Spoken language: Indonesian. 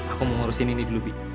aku mau ngurusin ini dulu bi